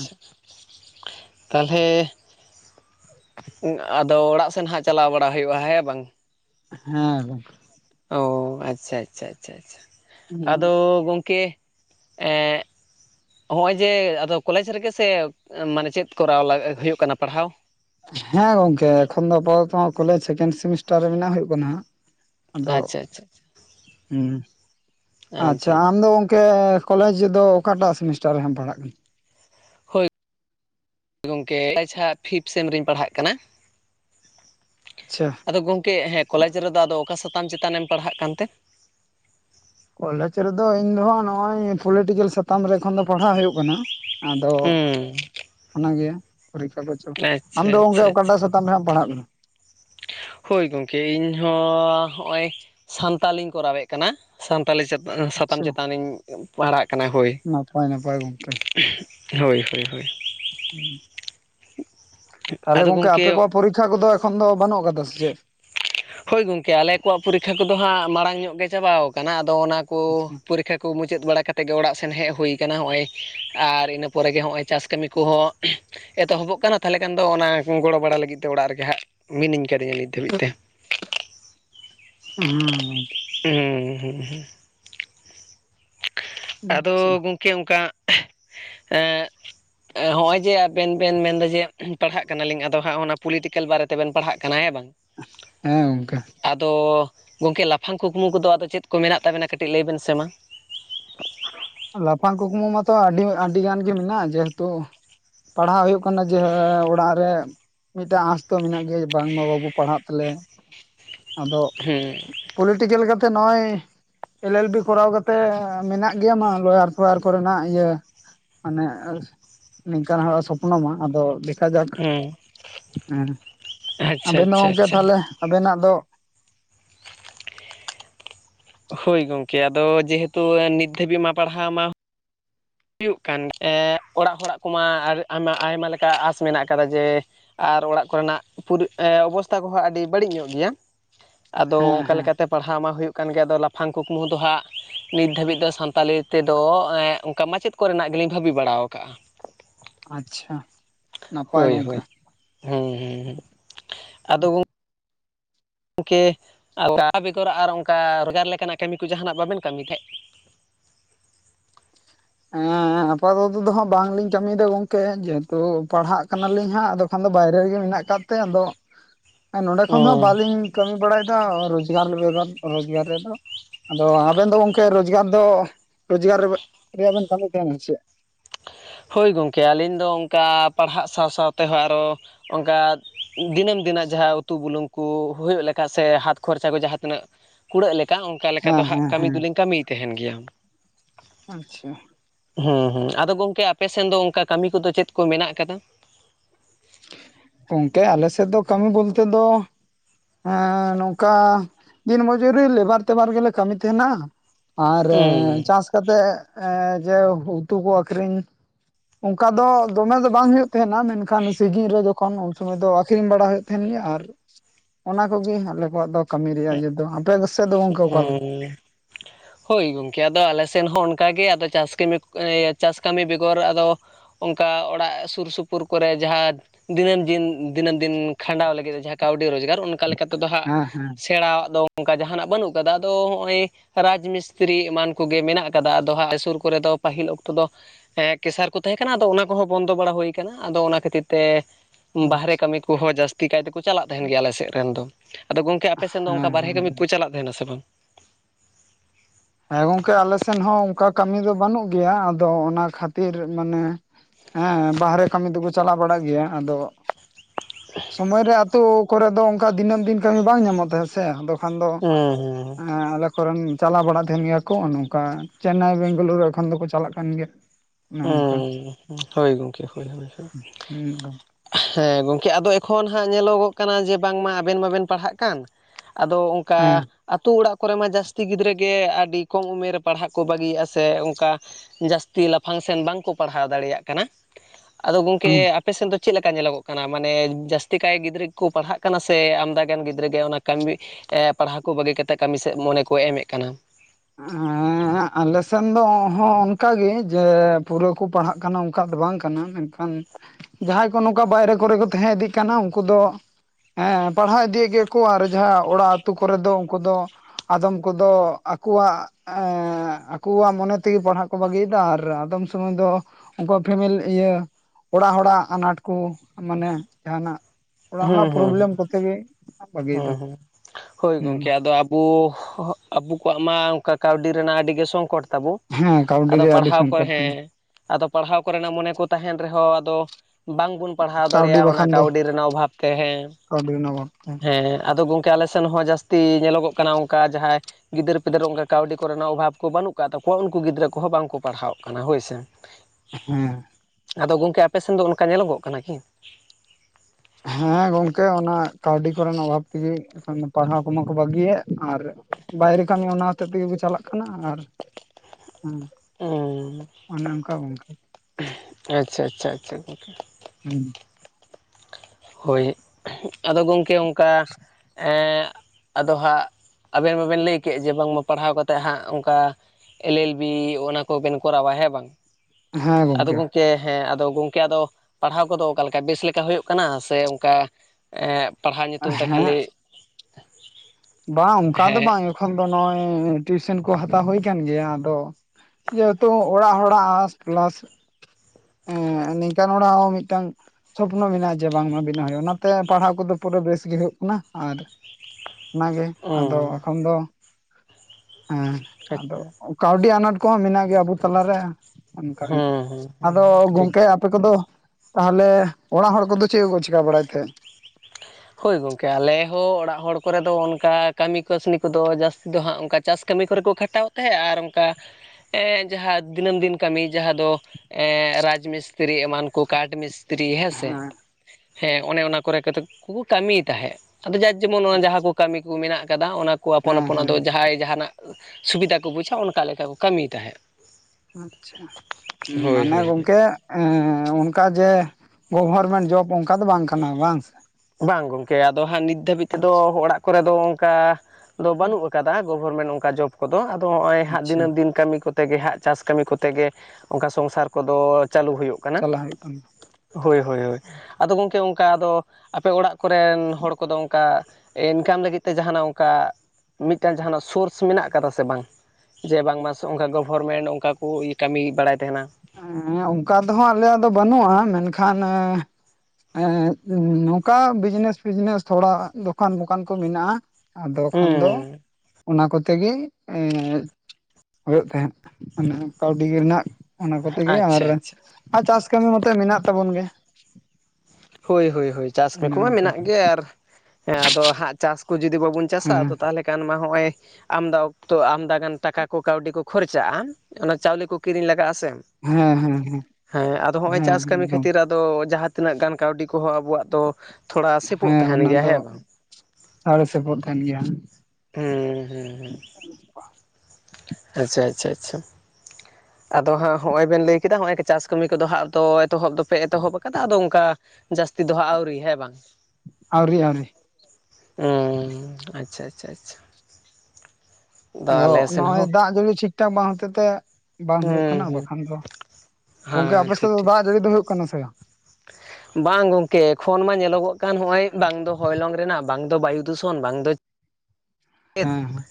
ᱛᱟᱦᱞᱮ ᱟᱫᱚ ᱚᱲᱟᱜ ᱥᱮᱱ ᱦᱟᱸᱜ ᱪᱟᱞᱟᱣ ᱵᱟᱲᱟ ᱦᱩᱭᱩᱜᱼᱟ ᱦᱮᱸ ᱵᱟᱝ? ᱦᱮᱸ ᱜᱚᱝ ᱚ ᱟᱪᱷᱟ ᱟᱪᱷᱟ ᱟᱪᱷᱟ ᱟᱪᱷᱟ ᱟᱫᱚ ᱜᱚᱝᱠᱮ ᱮᱜ ᱦᱚᱜᱼᱚᱭ ᱡᱮ ᱟᱫᱚ ᱠᱚᱞᱮᱡᱽ ᱨᱮᱜᱮ ᱥᱮ ᱢᱟᱱᱮ ᱪᱮᱫ ᱠᱚᱨᱟᱣ ᱞᱟ ᱦᱩᱭᱩᱜ ᱠᱟᱱᱟ ᱯᱟᱲᱦᱟᱣ? ᱦᱮᱸ ᱜᱚᱝᱠᱮ ᱮᱠᱷᱚᱱ ᱫᱚ ᱟᱯᱟᱛᱚᱛᱚ ᱠᱚᱞᱮᱡᱽ ᱥᱮᱠᱮᱱᱰ ᱥᱮᱢᱤᱥᱴᱟᱨ ᱨᱮ ᱢᱮᱱᱟᱜ ᱦᱩᱭᱩᱜ ᱠᱟᱱᱟ ᱟᱫᱚ ᱟᱪᱪᱷᱟ ᱟᱪᱪᱷᱟ ᱦᱩᱸ ᱟᱪᱷᱟ ᱟᱪᱪᱷᱟ ᱟᱢ ᱟᱪᱪᱷᱟ ᱫᱚ ᱜᱚᱝᱠᱮ ᱠᱚᱞᱮᱡ ᱨᱮᱫᱚ ᱚᱠᱟᱴᱟᱜ ᱥᱮᱢᱤᱥᱴᱟᱨ ᱨᱮᱢ ᱯᱟᱲᱦᱟᱣᱚᱜ ᱠᱟᱱᱟ ᱾ ᱦᱳᱭ ᱜᱚᱢᱠᱮ ᱟᱪᱪᱷᱟ ᱯᱷᱤᱯ ᱥᱮᱢ ᱨᱤᱧ ᱯᱟᱲᱦᱟᱜ ᱠᱟᱱᱟ ᱾ ᱟᱪᱪᱷᱟ ᱾ ᱟᱫᱚ ᱜᱚᱝᱠᱮ ᱦᱮᱸ ᱠᱚᱞᱮᱡ ᱨᱮᱫᱚ ᱟᱫᱚ ᱚᱠᱟ ᱥᱟᱛᱟᱢ ᱪᱮᱛᱟᱱ ᱮᱢ ᱯᱟᱲᱦᱟᱜ ᱠᱟᱱᱛᱮ? ᱠᱚᱞᱮᱡ ᱨᱮ ᱫᱚ ᱤᱧ ᱫᱚᱦᱚ ᱱᱚᱜᱼᱚᱭ ᱯᱚᱞᱤᱴᱤᱠᱮᱞ ᱥᱟᱛᱟᱢ ᱨᱮ ᱮᱠᱷᱚᱱ ᱫᱚ ᱯᱟᱲᱦᱟᱣ ᱦᱩᱭᱩᱜ ᱠᱟᱱᱟ ᱾ ᱟᱫᱚ ᱦᱩᱸ ᱚᱱᱟᱜᱮ ᱯᱚᱨᱤᱠᱷᱟ ᱠᱚ ᱟᱢ ᱟᱪᱪᱷᱟ ᱫᱚ ᱜᱚᱢᱠᱮ ᱟᱪᱪᱷᱟ ᱟᱪᱪᱷᱟ ᱚᱠᱟᱴᱟᱜ ᱥᱟᱛᱟᱢ ᱨᱮ ᱦᱟᱸᱜ ᱯᱟᱲᱦᱟᱜ ᱠᱟᱱᱟ? ᱦᱳᱭ ᱜᱚᱢᱠᱮ ᱤᱧ ᱦᱚᱸ ᱦᱚᱜᱼᱚᱭ ᱥᱟᱱᱛᱟᱞᱤᱧ ᱠᱚᱨᱟᱣᱮᱫ ᱠᱟᱱᱟ ᱾ ᱥᱟᱱᱛᱟᱞᱤ ᱪᱮᱛᱟᱱ ᱥᱟᱛᱟᱢ ᱟᱪᱪᱷᱟ ᱪᱮᱛᱟᱱ ᱨᱤᱧ ᱯᱟᱲᱦᱟᱜ ᱠᱟᱱᱟ ᱦᱳᱭ ᱱᱟᱯᱟᱭ ᱱᱟᱯᱟᱭ ᱜᱚᱝᱠᱮ ᱾ ᱦᱳᱭ ᱦᱳᱭ ᱦᱳᱭ, ᱛᱟᱦᱞᱮ ᱟᱫᱚ ᱜᱚᱝᱠᱮ ᱟᱯᱮ ᱜᱚᱢᱠᱮ ᱠᱚᱣᱟᱜ ᱯᱚᱨᱤᱠᱠᱷᱟ ᱠᱚ ᱫᱚ ᱮᱠᱷᱚᱱ ᱫᱚ ᱵᱟᱹᱱᱩᱜ ᱠᱟᱫᱟ? [UNINTELLIGIBLE] ᱦᱳᱭ ᱜᱚᱢᱠᱮ ᱟᱞᱮ ᱠᱚᱣᱟᱜ ᱯᱚᱨᱤᱠᱠᱷᱟ ᱠᱚ ᱫᱚ ᱦᱟᱸᱜ ᱢᱟᱲᱟᱝ ᱧᱚᱜ ᱜᱮ ᱪᱟᱵᱟᱣ ᱠᱟᱱᱟ ᱟᱫᱚ ᱚᱱᱟ ᱯᱚᱨᱤ ᱯᱚᱨᱤᱠᱷᱟ ᱠᱚ ᱢᱩᱪᱟᱹᱫ ᱵᱟᱲᱟ ᱠᱟᱛᱮᱫ ᱜᱮ ᱚᱲᱟᱜ ᱥᱮᱱ ᱦᱮᱡ ᱦᱩᱭ ᱠᱟᱱᱟ, ᱱᱚᱜᱼᱚᱭ ᱟᱨ ᱤᱱᱟᱹ ᱯᱚᱨᱮ ᱜᱮ ᱱᱚᱜᱼᱚᱭ ᱪᱟᱥ ᱠᱟᱹᱢᱤ ᱠᱚ ᱦᱚᱸ ᱮᱛᱚᱦᱚᱵᱚᱜ ᱠᱟᱱᱟ ᱛᱟᱦᱚᱞᱮ ᱠᱷᱟᱱ ᱫᱚ ᱚᱱᱟ ᱜᱚᱲᱚ ᱵᱟᱲᱟ ᱞᱟᱹᱜᱤᱫ ᱛᱮ ᱚᱲᱟᱜ ᱨᱮ ᱜᱮ ᱦᱟᱸᱜ ᱢᱤᱹᱱᱤᱧ, ᱫᱤᱧᱟ ᱱᱤᱛ ᱫᱷᱟᱹᱵᱤᱡ ᱛᱮ ᱾ [UNINTELLIGIBLE] [UNINTELLIGIBLE] ᱟᱫᱚ ᱟᱪᱪᱷᱟ ᱜᱚᱝᱠᱮ ᱚᱱᱠᱟ ᱮ ᱦᱚᱜᱼᱚᱭ ᱡᱮ ᱟᱵᱮᱱ ᱵᱮᱱ ᱢᱮᱱᱫᱟ ᱡᱮ ᱯᱟᱲᱦᱟᱜ ᱠᱟᱱᱟ ᱞᱤᱧ ᱟᱫᱚ ᱦᱟᱸᱜ ᱚᱱᱟ ᱯᱚᱞᱤᱴᱤᱠᱮᱞ ᱵᱟᱨᱮ ᱛᱮᱵᱮᱱ ᱯᱟᱲᱦᱟᱜ ᱠᱟᱱᱟ ᱦᱮᱸ ᱵᱟᱝ? ᱦᱮᱸ ᱜᱚᱝᱠᱮ, ᱟᱫᱚ ᱜᱚᱝᱠᱮ ᱞᱟᱯᱷᱟᱝ ᱠᱩᱠᱢᱩ ᱠᱚ ᱫᱚ ᱟᱫᱚ ᱪᱮᱫ ᱠᱚ ᱢᱮᱱᱟᱜ ᱛᱟᱵᱮᱱᱟ ᱠᱟᱹᱴᱤᱡ ᱞᱟᱹᱭ ᱵᱮᱱ ᱥᱮ ᱢᱟ? ᱞᱟᱯᱷᱟᱝ ᱠᱩᱠᱢᱩ ᱢᱟᱛᱚ ᱟᱹᱰᱤ ᱟᱹᱰᱤ ᱜᱟᱱ ᱜᱮ ᱢᱮᱱᱟᱜᱼᱟ ᱡᱮᱦᱮᱛᱩ ᱯᱟᱲᱦᱟᱜ ᱦᱩᱭᱩᱜ ᱠᱟᱱᱟ ᱡᱮ ᱚᱲᱟᱜ ᱨᱮ ᱢᱤᱫᱴᱮᱡ ᱟᱥ ᱛᱚ ᱢᱮᱱᱟᱜ ᱜᱮᱭᱟ ᱾ ᱵᱟᱝᱢᱟ ᱵᱟᱵᱩ ᱯᱟᱲᱦᱟᱜ ᱛᱟᱞᱮᱟᱭ, ᱟᱫᱚ ᱦᱩᱸ ᱯᱚᱞᱤᱴᱤᱠᱮᱞ ᱠᱟᱛᱮ ᱱᱚᱜᱼᱚᱭ ᱮᱞ ᱮᱞ ᱵᱤ ᱠᱚᱨᱟᱣ ᱠᱟᱛᱮ ᱢᱮᱱᱟᱜ ᱜᱮᱭᱟ ᱢᱟ [UNINTELLIGIBLE] ᱠᱚᱨᱮᱱᱟᱜ ᱤᱭᱟᱹ ᱢᱟᱱᱮ ᱱᱤᱝᱠᱟᱱ ᱦᱚᱲᱟᱜ ᱥᱚᱯᱱᱚ ᱢᱟ ᱟᱫᱚ ᱫᱮᱠᱷᱟ ᱡᱟᱠ, ᱦᱩᱸ ᱦᱩᱸ, ᱟᱪᱪᱷᱟ ᱟᱵᱮᱱ ᱫᱚ ᱟᱪᱪᱷᱟ ᱜᱚᱝᱠᱮ ᱟᱪᱪᱷᱟ ᱛᱟᱦᱚᱞᱮ ᱟᱵᱮᱱᱟᱜ ᱫᱚ ᱦᱳᱭ ᱜᱚᱝᱠᱮ ᱟᱫᱚ ᱡᱮᱦᱮᱛᱩ ᱱᱤᱛ ᱫᱷᱟᱹᱵᱤᱡ ᱢᱟ ᱯᱟᱲᱦᱟᱣ ᱢᱟ ᱦᱩᱭᱩᱜ ᱠᱟᱱ, ᱮ ᱚᱲᱟᱜ ᱦᱚᱲᱟᱜ ᱠᱚᱢᱟ ᱟᱭᱢᱟ ᱟᱭᱢᱟ ᱞᱮᱠᱟ ᱟᱥ ᱢᱮᱱᱟᱜ ᱟᱠᱟᱫᱟ ᱡᱮ ᱟᱨ ᱚᱲᱟᱜ ᱠᱚᱨᱮᱱᱟᱜ ᱯᱩᱨᱤ ᱚᱵᱚᱥᱛᱷᱟ ᱠᱚ ᱦᱟᱸᱜ ᱟᱹᱰᱤ ᱵᱟᱹᱲᱤᱡ ᱧᱚᱜ ᱜᱮᱭᱟ ᱾ ᱟᱫᱚ ᱦᱮᱸ ᱚᱱᱠᱟ ᱦᱮᱸ ᱞᱮᱠᱟᱛᱮ ᱯᱟᱲᱦᱟᱣ ᱢᱟ ᱦᱩᱭᱩᱜ ᱠᱟᱱ ᱜᱮ ᱟᱫᱚ ᱞᱟᱯᱷᱟᱝ ᱠᱩᱠᱢᱩ ᱫᱚ ᱦᱟᱸᱜ ᱱᱤᱛ ᱫᱷᱟᱹᱵᱤᱡ ᱫᱚ ᱥᱟᱱᱛᱟᱞᱤ ᱛᱮᱫᱚ ᱮᱦ ᱚᱱᱠᱟ ᱢᱟᱪᱮᱫ ᱠᱚᱨᱮᱱᱟᱜ ᱜᱮᱞᱤᱧ ᱵᱷᱟᱹᱵᱤ ᱵᱟᱲᱟᱣ ᱠᱟᱜᱼᱟ ᱾ ᱟᱪᱪᱷᱟ ᱾ ᱦᱳᱭ ᱦᱳᱭ ᱦᱩᱸ ᱦᱩᱸ ᱟᱫᱚ ᱜᱚᱝ- ᱜᱚᱢᱠᱮ ᱚᱱᱟ ᱵᱮᱜᱚᱨ ᱟᱨ ᱚᱱᱠᱟ ᱨᱳᱡᱜᱟᱨ ᱞᱮᱠᱟᱱᱟᱜ ᱠᱟᱹᱢᱤ ᱠᱚ ᱡᱟᱦᱟᱱᱟᱜ ᱵᱟᱵᱮᱱ ᱠᱟᱹᱢᱤ ᱠᱷᱟᱡ ᱦᱮᱸ ᱦᱮᱸ ᱟᱯᱟᱛᱚᱛᱚ ᱫᱚ ᱦᱟᱸᱜ ᱵᱟᱝᱞᱤᱧ ᱠᱟᱹᱢᱤᱭᱫᱟ ᱜᱚᱝᱠᱮ ᱡᱮᱦᱮᱛᱩ ᱯᱟᱲᱦᱟᱜ ᱠᱟᱱᱟᱞᱤᱧ ᱦᱟᱸᱜ, ᱟᱫᱚ ᱠᱷᱟᱱ ᱫᱚ ᱵᱟᱭᱨᱮ ᱨᱮ ᱜᱮ ᱢᱮᱱᱟᱜ ᱠᱟᱫ ᱛᱮ ᱟᱫᱚ ᱱᱚᱸᱰᱮ ᱠᱷᱚᱱ ᱫᱚ ᱚ ᱵᱟᱹᱞᱤᱧ ᱠᱟᱹᱢᱤ ᱵᱟᱲᱟᱭ ᱫᱟ ᱨᱳᱡᱽᱜᱟᱨ ᱞᱮᱵᱮᱞ ᱨᱮ ᱨᱳᱡᱽᱜᱟᱨ ᱨᱮ ᱫᱚ ᱾ ᱟᱫᱚ ᱟᱵᱮᱱ ᱫᱚ ᱜᱚᱝᱠᱮ ᱨᱚᱡᱽᱜᱟᱨ ᱫᱚ ᱨᱚᱡᱽᱜᱟᱨ ᱨᱮᱵᱮ ᱨᱮᱭᱟᱜ ᱵᱮᱱ ᱠᱟᱹᱢᱤ ᱛᱟᱦᱮᱱᱟ ᱪᱮᱫ? ᱦᱳᱭ ᱜᱚᱢᱠᱮ ᱟᱹᱞᱤᱧ ᱫᱚ ᱚᱱᱠᱟ ᱯᱟᱲᱦᱟᱜ ᱥᱟᱶ ᱥᱟᱶ ᱛᱮ ᱦᱚᱸ ᱟᱨᱦᱚᱸ ᱚᱱᱠᱟ ᱫᱤᱱᱟᱹᱢ ᱫᱤᱱᱟᱜ ᱡᱟᱦᱟ ᱩᱛᱩ ᱵᱩᱞᱩᱝ ᱠᱚ ᱦᱩᱭᱩᱜ ᱞᱮᱠᱟ ᱥᱮ ᱦᱟᱛ ᱠᱷᱚᱨᱪᱟ ᱠᱚ ᱡᱟᱦᱟ ᱛᱤᱱᱟᱹᱜ ᱠᱩᱲᱟᱹᱜ ᱞᱮᱠᱟ ᱚᱱᱠᱟ ᱞᱮᱠᱟ ᱫᱚ ᱦᱮᱸ ᱦᱟᱸᱜ ᱦᱮᱸ ᱠᱟᱹᱢᱤ ᱦᱮᱸ ᱫᱚᱞᱤᱧ ᱠᱟᱹᱢᱤᱭ ᱛᱟᱦᱮᱱ ᱜᱮᱭᱟ ᱟᱪᱪᱷᱟ ᱦᱩᱸ ᱦᱩᱸ ᱟᱫᱚ ᱜᱚᱝᱠᱮ ᱟᱯᱮ ᱥᱮᱱ ᱫᱚ ᱚᱱᱠᱟ ᱠᱟᱹᱢᱤ ᱠᱚᱫᱚ ᱪᱮᱫ ᱠᱚ ᱢᱮᱱᱟᱜ ᱟᱠᱟᱫᱟ ᱜᱚᱝᱠᱮ ᱟᱞᱮ ᱥᱮᱫ ᱫᱚ ᱠᱟᱹᱢᱤ ᱵᱳᱞᱛᱮ ᱫᱚ ᱮᱸ ᱱᱚᱝᱠᱟ ᱫᱤᱱ ᱢᱚᱡᱩᱨᱤ ᱞᱮᱵᱟᱨ ᱛᱮᱵᱟᱨ ᱜᱮᱞᱮ ᱠᱟᱹᱢᱤ ᱛᱟᱸᱦᱮᱱᱟ ᱟᱨ ᱦᱩᱸ ᱪᱟᱥ ᱠᱟᱛᱮᱜ ᱮ ᱡᱮ ᱩᱛᱩ ᱠᱚ ᱟᱹᱠᱷᱨᱤᱧ ᱚᱝᱠᱟ ᱫᱚ ᱫᱚᱢᱮ ᱫᱚ ᱵᱟᱝ ᱦᱩᱭᱩᱜ ᱛᱟᱸᱦᱮᱸᱱᱟ ᱢᱮᱱᱠᱷᱟᱱ ᱥᱤᱜᱤᱱ ᱨᱮ ᱡᱚᱠᱷᱚᱱ ᱩᱱᱥᱩᱢᱟᱹᱭ ᱫᱚ ᱟᱹᱠᱷᱨᱤᱧ ᱵᱟᱲᱟ ᱦᱩᱭᱩᱜ ᱛᱮᱦᱮᱱ ᱜᱮᱭᱟ ᱟᱨ ᱚᱱᱟ ᱠᱚᱜᱮ ᱟᱞᱮ ᱠᱚᱣᱟᱜ ᱫᱚ ᱠᱟᱹᱢᱤ ᱨᱮᱭᱟᱜ ᱤᱭᱟᱹ ᱫᱚ ᱟᱯᱮ ᱫᱚ ᱥᱮᱫ ᱫᱚ ᱜᱚᱝᱠᱮ ᱚᱠᱟ ᱞᱮᱠᱟ? ᱦᱩᱸ [INAUDIBLE] ᱦᱳᱭ ᱜᱚᱝᱠᱮ ᱟᱫᱚ ᱟᱞᱮ ᱥᱮᱱ ᱦᱚᱸ ᱚᱱᱠᱟᱜᱮ ᱟᱫᱚ ᱪᱟᱥ ᱠᱟᱹᱢᱤ ᱪᱟᱥ ᱠᱟᱹᱢᱤ ᱵᱮᱜᱚᱨ ᱟᱫᱚ ᱚᱝᱠᱟ ᱚᱲᱟᱜ ᱥᱩᱨ ᱥᱩᱯᱩᱨ ᱠᱚᱨᱮ ᱡᱟᱦᱟᱸ ᱫᱤᱱᱟᱹᱢ ᱫᱤᱱ ᱫᱤᱱᱟᱹᱢ ᱫᱤᱱ ᱠᱷᱟᱸᱰᱟᱣ ᱞᱟᱹᱜᱤᱫ ᱡᱟᱦᱟᱸ ᱠᱟᱹᱣᱰᱤ ᱨᱳᱡᱽᱜᱟᱨ ᱚᱱᱠᱟ ᱞᱮᱠᱟ ᱛᱮᱫᱚ ᱦᱟᱸᱜ ᱦᱮᱸ ᱦᱮᱸ ᱥᱮᱬᱟᱣᱟᱜ ᱫᱚ ᱚᱱᱠᱟ ᱡᱟᱦᱟᱱᱟᱜ ᱵᱟᱹᱱᱩᱜ ᱠᱟᱫᱟ ᱟᱫᱚ ᱦᱚᱸᱜᱼᱚᱭ᱾ ᱨᱟᱡᱽ ᱢᱤᱥᱛᱨᱤ ᱮᱢᱟᱱ ᱠᱚᱜᱮ ᱢᱮᱱᱟᱜ ᱠᱟᱫᱟ ᱟᱫᱚ ᱦᱟᱸᱜ ᱥᱩᱨ ᱠᱚᱨᱮ ᱫᱚ ᱯᱟᱹᱦᱤᱞ ᱚᱠᱛᱚ ᱫᱚ᱾ ᱦᱮᱸ ᱠᱮᱥᱟᱨ ᱠᱚ ᱛᱟᱦᱮᱸ ᱠᱟᱱᱟ ᱟᱫᱚ ᱚᱱᱟ ᱠᱚᱦᱚᱸ ᱵᱚᱱᱫᱚ ᱵᱟᱲᱟ ᱦᱩᱭ ᱠᱟᱱᱟ ᱟᱫᱚ ᱚᱱᱟ ᱠᱷᱟᱹᱛᱤᱨ ᱛᱮ᱾ ᱵᱟᱦᱨᱮ ᱠᱟᱹᱢᱤ ᱠᱚᱦᱚᱸ ᱡᱟᱹᱥᱛᱤ ᱠᱟᱭ ᱛᱮᱠᱚ ᱪᱟᱞᱟᱜ ᱛᱟᱦᱮᱱ ᱜᱮᱭᱟ ᱟᱞᱮ ᱥᱮᱫ ᱨᱮᱱ ᱫᱚ ᱟᱫᱚ ᱜᱚᱝᱠᱮ᱾ ᱟᱯᱮ ᱥᱮᱱ ᱫᱚ ᱚᱝᱠᱟ ᱦᱮᱸ ᱵᱟᱦᱨᱮ ᱠᱟᱹᱢᱤ ᱦᱮᱸ ᱠᱚ ᱪᱟᱞᱟᱜ ᱛᱟᱦᱮᱱᱟ ᱥᱮ ᱵᱟᱝ᱾ ᱦᱮᱸ ᱜᱚᱝᱠᱮ ᱟᱞᱮ ᱥᱮᱱ ᱦᱚᱸ ᱚᱝᱠᱟ ᱠᱟᱹᱢᱤ ᱫᱚ ᱵᱟᱹᱱᱩᱜ ᱜᱮᱭᱟ ᱟᱫᱚ ᱚᱱᱟ ᱠᱷᱟᱹᱛᱤᱨ ᱢᱟᱱᱮ᱾ ᱦᱮᱸ ᱵᱟᱦᱨᱮ ᱠᱟᱹᱢᱤ ᱫᱚᱠᱚ ᱪᱟᱞᱟᱜ ᱵᱟᱲᱟᱜ ᱜᱮᱭᱟ ᱟᱫᱚ᱾ ᱥᱚᱢᱚᱭ ᱨᱮ ᱟᱹᱛᱩ ᱠᱚᱨᱮ ᱫᱚ ᱚᱱᱠᱟ ᱫᱤᱱᱟᱹᱢ ᱫᱤᱱ ᱠᱟᱹᱢᱤ ᱵᱟᱝ ᱧᱟᱢᱚᱜ ᱛᱟᱦᱮᱫ ᱥᱮ ᱟᱫᱚ᱾ ᱠᱷᱟᱱ ᱫᱚ ᱦᱩᱸ ᱦᱩᱸ ᱟᱞᱮ ᱠᱚᱨᱮᱱ ᱪᱟᱞᱟᱣ ᱵᱟᱲᱟ ᱛᱟᱦᱮᱱ ᱜᱮᱭᱟ ᱠᱚ ᱱᱚᱝᱠᱟ ᱪᱮᱱᱱᱟᱭ ᱵᱮᱝᱜᱟᱞᱩᱨᱩ ᱮᱠᱷᱚᱱ ᱫᱚᱠᱚ ᱪᱟᱞᱟᱜ ᱠᱟᱱ ᱜᱮᱭᱟ᱾ ᱚᱱᱮ ᱚᱱᱠᱟ ᱦᱩᱸ ᱦᱳᱭ ᱜᱚᱝᱠᱮ ᱦᱳᱭ ᱦᱳᱭ ᱦᱳᱭ ᱦᱮᱸ ᱜᱚᱝᱠᱮ ᱟᱫᱚ ᱮᱠᱷᱚᱱ ᱦᱟᱸᱜ ᱧᱮᱞᱚᱜᱚᱜ ᱠᱟᱱᱟ ᱡᱮ ᱵᱟᱝᱢᱟ ᱟᱵᱮᱱ ᱢᱟᱵᱮᱱ ᱯᱟᱲᱦᱟᱜ ᱠᱟᱱ᱾ ᱟᱫᱚ ᱚᱝᱠᱟ᱾ ᱦᱮᱸ ᱟᱛᱳ ᱚᱲᱟᱜ ᱠᱚᱨᱮ ᱢᱟ ᱡᱟᱹᱥᱛᱤ ᱜᱤᱫᱽᱨᱟᱹ ᱜᱮ ᱟᱹᱰᱤ ᱠᱚᱢ ᱩᱢᱮᱨ ᱨᱮ ᱯᱟᱲᱦᱟᱜ ᱠᱚ ᱵᱟᱹᱜᱤᱭᱮᱫᱟ ᱥᱮ ᱚᱱᱠᱟ᱾ ᱡᱟᱹᱥᱛᱤ ᱞᱟᱯᱷᱟᱝ ᱥᱮᱱ ᱵᱟᱝᱠᱚ ᱯᱟᱲᱦᱟᱣ ᱫᱟᱲᱮᱭᱟᱜ ᱠᱟᱱᱟ ᱟᱫᱚ ᱜᱚᱝᱠᱮ᱾ ᱦᱮᱸ ᱟᱯᱮᱥᱮᱱ ᱫᱚ ᱪᱮᱫ ᱞᱮᱠᱟ ᱧᱮᱞᱚᱜᱚᱜ ᱠᱟᱱᱟ ᱢᱟᱱᱮ ᱡᱟᱹᱥᱛᱤ ᱠᱟᱭ ᱜᱤᱫᱽᱨᱟᱹ ᱜᱮᱠᱚ ᱯᱟᱲᱦᱟᱜ ᱠᱟᱱᱟ ᱥᱮ ᱟᱢᱫᱟ ᱜᱟᱱ ᱜᱤᱫᱽᱨᱟᱹ ᱜᱮ ᱚᱱᱟ ᱠᱟᱹᱢᱤ ᱯᱟᱲᱦᱟᱣ ᱠᱚ ᱵᱟᱹᱜᱤ ᱠᱟᱛᱮᱜ ᱠᱟᱹᱢᱤ ᱥᱮᱫ ᱢᱚᱱᱮ ᱠᱚ ᱮᱢᱮᱫ ᱠᱟᱱᱟ ᱩᱸ ᱦᱮᱸ ᱟᱞᱮ ᱥᱮᱱ ᱫᱚ ᱦᱚᱸ ᱚᱱᱠᱟᱜᱮ ᱡᱮ ᱯᱩᱨᱟᱹ ᱠᱚ ᱯᱟᱲᱦᱟᱜ ᱠᱟᱱᱟ ᱚᱱᱠᱟ ᱫᱚ ᱵᱟᱝ ᱠᱟᱱᱟ ᱢᱮᱱᱠᱷᱟᱱ ᱡᱟᱦᱟᱸᱭ ᱠᱚ ᱱᱚᱝᱠᱟ ᱵᱟᱭᱨᱮ ᱠᱚᱨᱮ ᱠᱚ ᱛᱟᱦᱮᱸ ᱤᱫᱤᱜ ᱠᱟᱱᱟ ᱩᱱᱠᱩ ᱫᱚ ᱦᱮᱸ ᱯᱟᱲᱦᱟᱣ ᱤᱫᱤᱭᱮᱫ ᱜᱮᱭᱟ ᱠᱚ ᱟᱨ ᱡᱟᱦᱟᱸ ᱚᱲᱟᱜ ᱟᱹᱛᱩ ᱠᱚᱨᱮ ᱫᱚ ᱩᱱᱠᱩ ᱫᱚ ᱟᱫᱚᱢ ᱠᱚᱫᱚ ᱟᱠᱚᱣᱟᱜ ᱟᱠᱚᱣᱟᱜ ᱢᱚᱱᱮ ᱛᱮᱜᱮ ᱯᱟᱲᱦᱟᱜ ᱠᱚ ᱵᱟᱹᱜᱤᱭ ᱫᱟ ᱟᱨ ᱟᱫᱚᱢ ᱥᱚᱢᱚᱭ ᱫᱚ ᱩᱱᱠᱩ ᱯᱷᱮᱢᱮᱞ ᱤᱭᱟᱹ ᱚᱲᱟᱜ ᱦᱚᱲᱟᱜ ᱟᱱᱟᱴ ᱠᱚ ᱢᱟᱱᱮ ᱡᱟᱦᱟᱱᱟᱜ ᱚᱲᱟᱜ ᱦᱚᱲᱟᱜ ᱦᱩᱸ ᱦᱩᱸ ᱯᱨᱚᱵᱞᱮᱢ ᱦᱩᱸ ᱠᱚᱛᱮ ᱜᱮ ᱵᱟᱹᱜᱤᱭ ᱦᱩᱸ ᱫᱟᱠᱚ ᱦᱩᱸ ᱦᱳᱭ ᱦᱮᱸ ᱜᱚᱝᱠᱮ ᱟᱫᱚ ᱠᱩ ᱟᱵᱩ ᱠᱚᱣᱟᱜ ᱢᱟ ᱚᱱᱠᱟ ᱠᱟᱹᱣᱰᱤ ᱨᱮᱱᱟᱜ ᱟᱹᱰᱤᱜᱮ ᱥᱚᱝᱠᱚᱴ ᱛᱟᱵᱚ ᱠᱟᱹᱣᱰᱤ ᱟᱫᱚ ᱨᱮᱭᱟᱜ ᱟᱹᱰᱤ ᱯᱟᱲᱦᱟᱣ ᱠᱚ ᱥᱚᱝᱠᱚᱴ ᱦᱮᱸ ᱟᱫᱚ ᱯᱟᱲᱦᱟᱣ ᱠᱚᱨᱮᱱᱟᱜ ᱢᱚᱱᱮ ᱠᱚ ᱛᱟᱦᱮᱱ ᱨᱮᱦᱚᱸ ᱟᱫᱚ ᱵᱟᱝ ᱵᱚᱱ ᱯᱟᱲᱦᱟᱣ ᱠᱟᱹᱣᱰᱤ ᱫᱟᱲᱮᱭᱟᱜᱼᱟ ᱚᱱᱟ ᱵᱟᱠᱷᱟᱱ ᱫᱚ ᱠᱟᱹᱣᱰᱤ ᱨᱮᱱᱟᱜ ᱚᱵᱷᱟᱵ ᱛᱮ ᱦᱮᱸ ᱠᱟᱹᱣᱰᱤ ᱨᱮᱱᱟᱜ ᱚᱵᱷᱟᱵ ᱛᱮ ᱦᱮᱸ ᱟᱫᱚ ᱜᱚᱝᱠᱮ ᱟᱞᱮ ᱥᱮᱱ ᱦᱚᱸ ᱡᱟᱹᱥᱛᱤ ᱧᱮᱞᱚᱜᱚᱜ ᱠᱟᱱᱟ ᱚᱝᱠᱟ ᱡᱟᱦᱟᱸᱭ ᱜᱤᱫᱟᱹᱨ ᱯᱤᱫᱟᱹᱨ ᱚᱱᱠᱟ ᱠᱟᱹᱣᱰᱤ ᱠᱚᱨᱮᱱᱟᱜ ᱚ ᱵᱷᱟᱵᱽ ᱠᱚ ᱵᱟᱹᱱᱩᱜ ᱟᱠᱟᱫ ᱛᱟᱠᱚᱣᱟ ᱩᱱᱠᱩ ᱜᱤᱫᱽᱨᱟᱹ ᱠᱚᱦᱚᱸ ᱵᱟᱝᱠᱚ ᱯᱟᱲᱦᱟᱜ ᱠᱟᱱᱟ ᱦᱳᱭ ᱥᱮ ᱦᱮᱸ ᱟᱫᱚ ᱜᱚᱝᱠᱮ ᱟᱯᱮᱥᱮᱱ ᱫᱚ ᱚᱱᱠᱟ ᱧᱮᱞᱚᱜᱚᱜ ᱠᱟᱱᱟ ᱠᱤ ᱦᱮᱸ ᱜᱚᱝᱠᱮ ᱚᱱᱟ ᱠᱟᱹᱣᱰᱤ ᱠᱚᱨᱮᱱᱟᱜ ᱚᱵᱷᱟᱯ ᱛᱮᱜᱤᱼᱼ ᱮᱱᱠᱷᱟᱱ ᱫᱚ ᱯᱟᱲᱦᱟᱣ ᱠᱚᱢᱟ ᱠᱚ ᱵᱟᱹᱜᱤᱭᱮᱫ ᱟᱨ ᱵᱟᱭᱨᱮ ᱠᱟᱹᱢᱤ ᱚᱱᱟ ᱦᱚᱛᱮᱫ ᱛᱮᱜᱮ ᱠᱚ ᱪᱟᱞᱟᱜ ᱠᱟᱱᱟ, ᱟᱨᱼᱼ ᱦᱩᱸ ᱚᱸ ᱟᱪᱪᱷᱟ-ᱟᱪᱪᱷᱟ-ᱟᱪᱪᱷᱟ ᱩᱸ ᱦᱳᱭ ᱟᱫᱚ ᱜᱚᱝᱠᱮ ᱚᱱᱠᱟ ᱮᱸ ᱟᱫᱚ ᱦᱟᱸᱜᱼᱼ ᱟᱵᱮᱱ ᱢᱟᱵᱮᱱ ᱞᱟᱹᱭ ᱠᱮᱫ ᱡᱮ ᱵᱟᱝᱢᱟ ᱯᱟᱲᱦᱟᱣ ᱠᱟᱛᱼᱼ ᱛᱮ ᱦᱟᱸᱜ ᱚᱝᱠᱟ ᱮᱞ-ᱮᱞ-ᱵᱤ ᱚᱱᱟ ᱠᱚᱵᱮᱱ ᱠᱚᱨᱟᱣᱟ ᱦᱮᱸ ᱵᱟᱝ, ᱦᱮᱸ ᱜᱚᱝᱠᱮᱼᱼ ᱪᱮ ᱦᱮᱸ ᱟᱫᱚ ᱜᱚᱝᱠᱮ ᱟᱫᱚ ᱯᱟᱲᱦᱟᱣ ᱠᱚᱫᱚ ᱚᱠᱟᱞᱮᱠᱟ ᱵᱮᱥ ᱞᱮᱠᱟ ᱦᱩᱭᱩᱜ ᱠᱟᱱᱟ ᱥᱮ ᱚᱱᱠᱟᱼᱼ ᱮᱸ ᱯᱟᱲᱦᱟᱣ ᱧᱩᱛᱩᱢ ᱛᱮ ᱦᱮᱸ ᱠᱷᱟᱹᱞᱤᱼᱼ ᱵᱟᱝ ᱚᱝᱠᱟ ᱫᱚ ᱵᱟᱝ ᱮᱠᱷᱚᱱ ᱫᱚ ᱱᱚᱜ-ᱚᱭ ᱴᱤᱭᱩᱥᱚᱱ ᱠᱚ ᱦᱟᱛᱟᱣ ᱦᱩᱭ ᱠᱟᱱ ᱜᱮᱭᱟ, ᱟᱫᱚᱼᱼ ᱡᱮᱦᱮᱛᱩ ᱚᱲᱟᱜ ᱦᱚᱲᱟᱜ ᱟᱥ ᱯᱞᱟᱥᱼᱼ ᱮᱸ ᱱᱤᱝᱠᱟᱱ ᱦᱚᱲᱟᱜ ᱦᱚᱸ ᱢᱤᱫᱴᱟᱝᱼᱼ ᱥᱚᱯᱱᱚ ᱢᱮᱱᱟᱜ-ᱟ ᱡᱮ ᱵᱟᱝᱢᱟ ᱵᱮᱱᱟᱣ ᱦᱩᱭᱩᱜ-ᱟ ᱚᱱᱟᱛᱮ ᱯᱟᱲᱦᱟᱜ ᱠᱚᱫᱚ ᱯᱩᱨᱟᱹ ᱵᱮᱥ ᱜᱮ ᱦᱩᱭᱩᱜ ᱠᱟᱱᱟ, ᱟᱨᱼᱼ ᱚᱱᱟᱜᱮ ᱚ ᱟᱫᱚ ᱮᱠᱷᱚᱱ ᱫᱚᱼᱼ ᱦᱮᱸ ᱟᱫᱚ ᱟᱪᱪᱷᱟ ᱠᱟᱹᱣᱰᱤ ᱟᱱᱟᱴ ᱠᱚᱦᱚᱸ ᱢᱮᱱᱟᱜ ᱜᱮᱭᱟ ᱟᱵᱚ ᱛᱟᱞᱟᱨᱮ᱾ ᱚᱱᱠᱟᱜᱮ, ᱦᱮᱸ ᱦᱮᱸ ᱦᱮᱸ ᱟᱫᱚ ᱴᱷᱤᱠ ᱴᱷᱤᱠ ᱜᱚᱝᱠᱮᱼᱼ ᱟᱯᱮ ᱠᱚᱫᱚ ᱛᱟᱦᱞᱮ ᱚᱲᱟᱜ ᱦᱚᱲ ᱠᱚᱫᱚ ᱪᱮᱫ ᱠᱚᱠᱚ ᱪᱤᱠᱟᱹ ᱵᱟᱲᱟᱭᱮᱫ ᱛᱟᱦᱮᱸᱫ? [INAUDIBLE] ᱦᱳᱭ ᱜᱚᱝᱠᱮ ᱟᱞᱮ ᱦᱚᱸ ᱚᱲᱟᱜ ᱦᱚᱲ ᱠᱚᱨᱮ ᱫᱚ ᱚᱱᱠᱟ ᱠᱟᱹᱢᱤ ᱠᱟᱹᱥᱱᱤ ᱠᱚᱫᱚ ᱡᱟᱹᱥᱛᱤ ᱫᱚ ᱦᱟᱸᱜ ᱚᱱᱠᱟ ᱪᱟᱥᱼᱼ ᱠᱟᱹᱢᱤ ᱠᱚᱨᱮ ᱠᱚ ᱠᱷᱟᱴᱟᱣ ᱛᱟᱦᱮᱸᱜ ᱟᱨ ᱚᱱᱠᱟ ᱡᱟᱦᱟᱸ ᱫᱤᱱᱟᱹᱢ ᱫᱤᱱ ᱠᱟᱹᱢᱤ ᱡᱟᱦᱟᱸ ᱫᱚᱼᱼ ᱮᱸ ᱨᱟᱡᱽ ᱢᱤᱥᱛᱨᱤ ᱮᱢᱟᱱ ᱠᱚ ᱠᱟᱴᱷ ᱢᱤᱥᱼᱼ ᱛᱨᱤ ᱦᱮᱸᱥᱮ ᱦᱮᱸ ᱦᱮᱸ ᱚᱱᱮ ᱚᱱᱟ ᱠᱚᱨᱮ ᱠᱟᱛᱮ ᱠᱩ ᱠᱟᱹᱢᱤᱭ ᱛᱟᱦᱮᱸᱫ ᱟᱫᱚ ᱡᱟᱼᱼ ᱡᱮᱢᱚᱱ ᱱᱚᱣᱟ ᱡᱟᱦᱟᱸ ᱠᱚ ᱠᱟᱹᱢᱤ ᱠᱚ ᱢᱮᱱᱟᱜ ᱠᱟᱫᱟ ᱚᱱᱟ ᱠᱚ ᱟᱯᱚᱱ ᱦᱮᱸ ᱟᱯᱚᱱ ᱦᱮᱸ ᱟᱫᱚ ᱡᱟᱦᱟᱸᱭ ᱡᱟᱦᱟᱱᱟᱜᱼᱼ ᱥᱩᱵᱤᱫᱟ ᱠᱩ ᱵᱩᱡᱟ ᱚᱱᱠᱟ ᱞᱮᱠᱟ ᱠᱚ ᱠᱟᱹᱢᱤᱭ ᱛᱟᱦᱮᱸᱫ᱾ ᱟᱪᱪᱷᱟ ᱦᱳᱭ ᱢᱟᱱᱮ ᱦᱳᱭ ᱦᱳᱭ ᱜᱚᱝᱠᱮᱜᱼᱼ ᱮᱸ ᱚᱱᱠᱟ ᱡᱮ ᱜᱚᱵᱷᱚᱨᱢᱮᱱᱴ ᱡᱚᱵ ᱚᱱᱠᱟ ᱫᱚ ᱵᱟᱝ ᱠᱟᱱᱟ ᱵᱟᱝ? ᱵᱟᱝ ᱜᱚᱝᱠᱮ ᱟᱫᱚ ᱦᱟᱸᱜ ᱱᱤᱛ ᱫᱷᱟᱹᱵᱤᱡ ᱛᱮᱫᱚ ᱟᱪᱪᱷᱟ ᱚᱲᱟᱜᱼᱼ ᱠᱚᱨᱮ ᱫᱚ ᱚᱱᱠᱟ ᱫᱚ ᱦᱮᱸ᱾ ᱵᱟᱹᱱᱩᱜ ᱟᱠᱟᱫᱟ ᱜᱚᱵᱷᱚᱨᱢᱮᱱᱴ ᱚᱱᱠᱟ ᱡᱚᱵᱽ ᱠᱚᱫᱚ ᱟᱫᱚ ᱱᱚᱜ-ᱚᱭ ᱦᱟᱸᱜ ᱟᱪᱪᱷᱟ ᱫᱤᱱᱟᱹᱢ ᱫᱤᱱᱼᱼ ᱠᱟᱹᱢᱤ ᱠᱚᱛᱮ ᱜᱮ ᱦᱟᱸᱜ ᱪᱟᱥ ᱠᱟᱹᱢᱤ ᱠᱚᱛᱮ ᱜᱮ ᱚᱱᱠᱟ ᱥᱚᱝᱥᱟᱨ ᱠᱚᱫᱚ ᱪᱟᱹᱞᱩ ᱦᱩᱭᱩᱜᱼᱼ ᱠᱟᱱᱟ ᱪᱟᱞᱟᱜ ᱦᱩᱭᱩᱜ ᱠᱟᱱᱟ᱾ ᱦᱳᱭ-ᱦᱳᱭ-ᱦᱳᱭ ᱟᱫᱚ ᱜᱚᱝᱠᱮ ᱚᱱᱠᱟ ᱟᱫᱚᱼᱼ ᱟᱯᱮ ᱚᱲᱟᱜ ᱠᱚᱨᱮᱱ ᱦᱚᱲ ᱠᱚᱫᱚ ᱚᱱᱠᱟ ᱤᱱᱠᱟᱢ ᱞᱟᱹᱜᱤᱫ ᱛᱮ ᱡᱟᱦᱟᱸᱱᱟᱜ ᱚᱝᱠᱟᱼᱼ ᱢᱤᱫᱴᱟᱹᱝ ᱡᱟᱦᱟᱸᱱᱟᱜ ᱥᱳᱨᱥ ᱢᱮᱱᱟᱜ ᱠᱟᱫᱟ ᱥᱮ ᱵᱟᱝ? ᱡᱮ ᱵᱟᱝᱢᱟ ᱚᱱᱠᱟ ᱜᱚᱵᱷᱚᱨᱢᱮᱱᱴ ᱚᱱᱠᱟ ᱠᱚ ᱤᱭᱟᱹ ᱠᱚ ᱠᱟᱹᱢᱤ ᱵᱟᱲᱟᱭ ᱛᱟᱦᱮᱸᱱᱟ᱾ ᱦᱮᱸ ᱚᱱᱠᱟ ᱫᱚ ᱦᱟᱸᱜ ᱟᱞᱮᱭᱟᱜ ᱫᱚ ᱵᱟᱹᱱᱩᱜ-ᱟ, ᱢᱮᱱᱠᱷᱟᱱᱼᱼ ᱦᱮᱸ ᱱᱚᱝᱠᱟ ᱵᱤᱡᱽᱱᱮᱥ-ᱯᱷᱤᱡᱱᱮᱥ ᱛᱷᱚᱲᱟ ᱫᱚᱠᱟᱱ-ᱢᱚᱠᱟᱱ ᱠᱚ ᱢᱮᱱᱟᱜ-ᱟ᱾ ᱟᱫᱚ ᱠᱷᱟᱱ ᱫᱚᱼᱼ ᱦᱩᱸ ᱚᱱᱟ ᱠᱚᱛᱮ ᱜᱮ ᱮᱸ ᱦᱩᱭᱩᱜ ᱛᱟᱦᱮᱸᱫ ᱢᱟᱱᱮ ᱠᱟᱹᱣᱰᱤ ᱨᱮᱱᱟᱜᱼᱼ ᱚᱱᱟ ᱠᱚᱛᱮᱜᱮ ᱟᱨ ᱟᱪᱪᱷᱟ ᱟᱪᱪᱷᱟ ᱟᱨ ᱪᱟᱥ ᱠᱟᱹᱢᱤ ᱢᱚᱛᱚᱡ ᱢᱮᱱᱟᱜ ᱛᱟᱵᱚᱱ ᱜᱮ, ᱦᱳᱭ-ᱦᱳᱭ-ᱦᱳᱭ ᱪᱟᱥ ᱠᱟᱢᱤ ᱚᱱᱮ ᱠᱚᱢᱟ ᱚᱱᱠᱟ ᱢᱮᱱᱟᱜ ᱜᱮᱭᱟ ᱟᱨ ᱟᱫᱚ ᱦᱟᱸᱜ ᱪᱟᱥ ᱠᱚ ᱡᱩᱫᱤ ᱵᱟᱵᱚᱱᱼᱼ ᱪᱟᱥᱟ ᱦᱮᱸ ᱟᱫᱚ ᱛᱟᱦᱚᱞᱮ ᱠᱷᱟᱱ ᱢᱟ ᱦᱚᱸᱜ-ᱚᱭᱼᱼ ᱟᱢᱫᱟ ᱚᱠᱛᱚ ᱟᱢᱫᱟ ᱜᱟᱱ ᱴᱟᱠᱟ ᱠᱚ ᱠᱟᱹᱣᱰᱤ ᱠᱚ ᱠᱷᱚᱨᱪᱟᱜ-ᱟ ᱚᱱᱟ ᱪᱟᱣᱞᱮ ᱠᱚ ᱠᱤᱨᱤᱧ ᱞᱟᱜᱟᱜ-ᱟ ᱥᱮ᱾ ᱦᱮᱸ ᱦᱮᱸ ᱦᱮᱸ᱾ ᱦᱮᱸ ᱟᱫᱚ ᱦᱚᱸᱜ-ᱚᱭ ᱦᱮᱸ ᱪᱟᱥ ᱠᱟᱹᱢᱤ ᱮᱠᱫᱚᱢ ᱠᱷᱟᱹᱛᱤᱨ ᱟᱫᱚᱼᱼ ᱛᱚ ᱡᱟᱦᱟᱸ ᱛᱤᱱᱟᱹᱜ ᱜᱟᱱ ᱠᱟᱹᱣᱰᱤ ᱠᱚᱦᱚᱸ ᱟᱵᱚᱣᱟᱜ ᱫᱚ ᱛᱷᱚᱲᱟ ᱥᱮᱯᱚᱜ ᱛᱟᱦᱮᱸᱱ ᱜᱮᱭᱟ ᱦᱮᱸ ᱵᱟᱝ? ᱛᱟᱦᱚᱞᱮ ᱥᱯᱚᱜ ᱛᱟᱦᱮᱱ ᱜᱮᱭᱟ᱾ ᱦᱩᱸ ᱦᱩᱸ ᱦᱩᱸ᱾ [UNINTELLIGIBLE] ᱟᱪᱪᱷᱟ ᱟᱪᱪᱷᱟ ᱟᱪᱪᱷᱟ᱾ [UNINTELLIGIBLE] ᱟᱫᱚ ᱦᱟᱸᱜ ᱦᱚᱸᱜᱼᱚᱭ ᱵᱮᱱ ᱞᱟᱹᱭ ᱠᱮᱫᱟ ᱱᱚᱜᱼᱚᱭ ᱪᱟᱥ ᱠᱟᱹᱢᱤ ᱠᱚᱫᱚ ᱦᱟᱸᱜ ᱫᱚ ᱮᱛᱚᱦᱚᱵ ᱫᱚᱯᱮ ᱮᱛᱚᱦᱚᱵ ᱟᱠᱟᱫᱟ ᱟᱫᱚ ᱚᱱᱠᱟ ᱡᱟᱹᱥᱛᱤ ᱫᱚ ᱦᱟᱸᱜ ᱟᱹᱣᱨᱤ ᱦᱮᱸ ᱵᱟᱝ? ᱟᱹᱣᱨᱤ ᱟᱹᱣᱨᱤ᱾ ᱩᱸ ᱟᱪᱪᱷᱟ ᱟᱪᱪᱷᱟ ᱟᱪᱪᱷᱟ᱾ ᱟᱫᱚ ᱚᱜ ᱟᱞᱮ ᱥᱮᱱ ᱱᱚᱜᱼᱚᱭ ᱦᱚᱸ ᱫᱟᱜ ᱡᱟᱹᱲᱤ ᱴᱷᱤᱠ ᱴᱷᱟᱠ ᱵᱟᱝ ᱦᱚᱛᱮᱡ ᱛᱮ ᱵᱟᱝ ᱦᱩᱭᱩᱜ ᱠᱟᱱᱟ ᱦᱩᱸ ᱦᱩᱸ ᱵᱟᱠᱷᱟᱱ ᱫᱚ ᱜᱚᱝᱠᱮ ᱦᱮᱸ ᱟᱯᱮ ᱥᱮᱫ ᱴᱷᱤᱠ ᱫᱚ ᱴᱷᱤᱠ ᱴᱷᱤᱠ ᱫᱟᱜ ᱡᱟᱹᱲᱤ ᱫᱚ ᱦᱩᱭᱩᱜ ᱠᱟᱱᱟ ᱥᱮ ᱵᱟᱝ? [UNINTELLIGIBLE] ᱵᱟᱝ ᱜᱚᱝᱠᱮ ᱮᱠᱷᱚᱱ ᱢᱟ ᱧᱮᱞᱚᱜᱚᱜ ᱠᱟᱱ ᱦᱚᱸᱜᱼᱚᱭ ᱵᱟᱝ ᱫᱚ ᱦᱚᱭᱞᱚᱝ ᱨᱮᱱᱟᱜ ᱵᱟᱝ ᱫᱚ ᱵᱟᱭᱩ ᱫᱷᱩᱥᱚᱱ ᱵᱟᱝ ᱫᱚ ᱪᱮᱫ᱾ ᱦᱮᱸ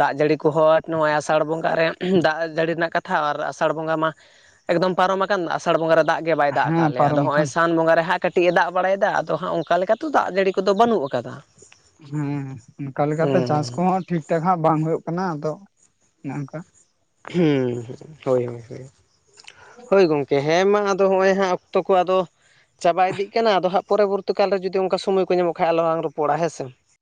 ᱫᱟᱜ ᱡᱟᱹᱲᱤ ᱠᱚ ᱦᱚᱸ ᱱᱚᱜᱼᱚᱭ ᱟᱥᱟᱲ ᱵᱚᱸᱜᱟ ᱨᱮ ᱫᱟᱜ ᱡᱟᱹᱲᱤ ᱨᱮᱱᱟᱜ ᱠᱟᱛᱷᱟ ᱟᱨ ᱟᱥᱟᱲ ᱵᱚᱸᱜᱟ ᱢᱟ ᱮᱠᱫᱚᱢ ᱯᱟᱨᱚᱢ ᱟᱠᱟᱱ ᱟᱥᱟᱲ ᱵᱚᱸᱜᱟ ᱨᱮ ᱫᱟᱜ ᱜᱮ ᱵᱟᱭ ᱫᱟᱜ ᱠᱟᱫ ᱦᱮᱸ ᱞᱮᱭᱟ ᱟᱫᱚ ᱯᱟᱨᱚᱢ ᱦᱚᱸᱜᱼᱚᱭ ᱟᱠᱟᱱ ᱥᱟᱱ ᱵᱚᱸᱜᱟ ᱨᱮ ᱦᱟᱸᱜ ᱠᱟᱹᱴᱤᱡ ᱮ ᱫᱟᱜ ᱵᱟᱲᱟᱭᱮᱫᱟ ᱟᱫᱚ ᱦᱟᱸᱜ ᱚᱱᱠᱟ ᱞᱮᱠᱟ ᱞᱮᱠᱟᱛᱮᱚ ᱫᱟᱜ ᱡᱟᱹᱲᱤ ᱠᱚᱫᱚ ᱵᱟᱹᱱᱩᱜ ᱠᱟᱫᱟ᱾ ᱦᱮᱸ ᱚᱱᱠᱟ ᱞᱮᱠᱟᱛᱮ ᱪᱟᱥ ᱠᱚᱦᱚᱸ ᱴᱷᱤᱠ ᱴᱷᱟᱠ ᱦᱟᱸᱜ ᱵᱟᱝ ᱦᱩᱭᱩᱜ ᱠᱟᱱᱟ ᱟᱫᱚ ᱚᱱᱮ ᱚᱱᱠᱟ ᱦᱩᱸ ᱦᱳᱭ ᱦᱳᱭ ᱦᱳᱭ ᱜᱚᱢᱠᱮ ᱦᱮᱸ ᱢᱟ ᱟᱫᱚ ᱦᱚᱸᱜᱼᱚᱭ ᱦᱟᱸᱜ ᱚᱠᱛᱚ ᱠᱚ ᱟᱫᱚ ᱪᱟᱵᱟ ᱤᱫᱤᱜ ᱠᱟᱱᱟ, ᱟᱫᱚ ᱦᱟᱸᱜ ᱯᱚᱨᱚᱵᱚᱨᱛᱤ ᱠᱟᱞ ᱨᱮ ᱡᱩᱫᱤ ᱚᱱᱠᱟ ᱥᱚᱢᱚᱭ ᱠᱚ ᱧᱟᱢᱚᱜ ᱠᱷᱟᱡ ᱟᱞᱚᱞᱟᱝ ᱨᱚᱯᱚᱲᱟ ᱦᱮᱸ ᱥᱮ᱾